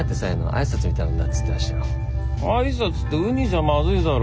挨拶ってウニじゃマズいだろ。